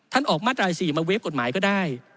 ท่านออกมัดรายสี่มาเวฟกฎหมายก็ได้